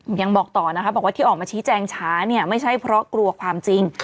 ยังบอกต่อนะคะบอกว่าที่ออกมาชี้แจงช้าเนี่ยไม่ใช่เพราะกลัวความจริง